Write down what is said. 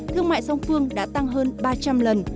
thương mại song phương đã tăng hơn ba trăm linh lần